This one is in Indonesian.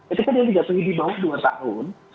itu kan yang dijatuhi di bawah dua tahun